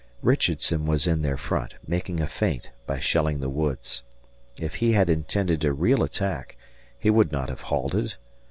Richardson was in their front, making a feint by shelling the woods. If he had intended a real attack, he would not have halted.